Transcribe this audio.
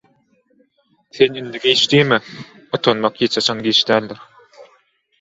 Sen indi giç diýme, utanmak hiç haçan giç däldir.“